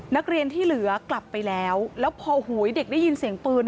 นักเรียนที่เหลือกลับไปแล้วแล้วพอโอ้โหเด็กได้ยินเสียงปืน